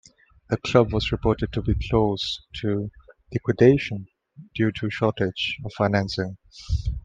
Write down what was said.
The club was reported to be close to liquidation due to shortage of financing.